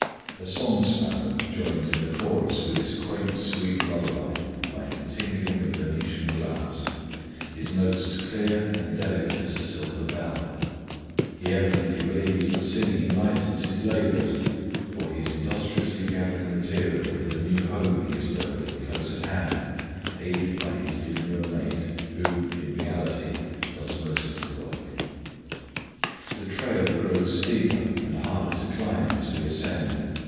A song sparrow joins in the chorus with his quaint sweet lullaby, like the tinkling of Venetian glass, his notes as clear and delicate as a silver bell. He evidently believes that singing lightens his labors, for he is industriously gathering material for the new home he is building close at hand aided by his demure mate, who, in reality, does most of the work. [Illustration: BROOK AND WATERFALL] The trail grows steeper and harder to climb as we ascend.